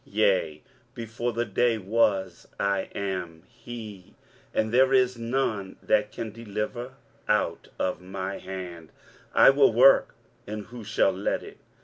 23:043:013 Yea, before the day was I am he; and there is none that can deliver out of my hand: I will work, and who shall let it?